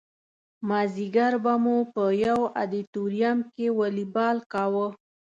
مازدیګر به مو په یو ادیتوریم کې والیبال کاوه.